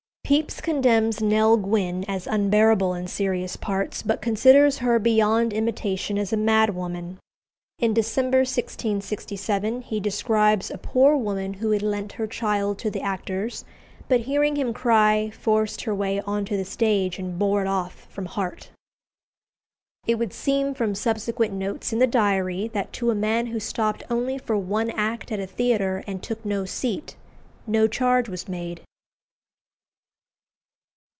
Pepys condemns Nell Gwynn as unbearable in serious parts, but considers her beyond imitation as a madwoman. In December 1667 he describes a poor woman who had lent her child to the actors, but hearing him cry, forced her way on to the stage and bore it off from Hart. It would seem from subsequent notes in the Diary, that to a man who stopped only for one act at a theatre, and took no seat, no charge was made.